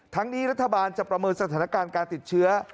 ทั้งนี้รัฐบาลจะประเมินสถานการณ์การติดเชื้อ